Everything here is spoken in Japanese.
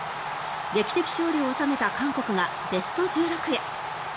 劇的勝利を収めた韓国がベスト１６へ。